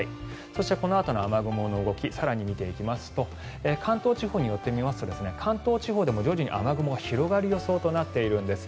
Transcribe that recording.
そしてこのあとの雨雲の動き更に見ていきますと関東地方に寄って見ますと関東地方でも徐々に雨雲が広がる予想となっているんです。